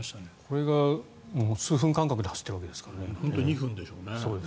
これが数分間隔で走っているわけですからね。